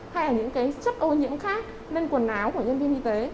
hay là những cái chất ô nhiễm khác lên quần áo của nhân viên y tế